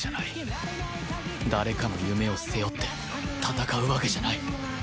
誰かの夢を背負って戦うわけじゃない